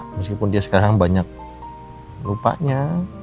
meskipun dia sekarang banyak lupanya